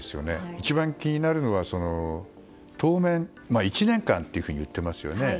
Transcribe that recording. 一番気になるのは当面、１年間と言っていますよね。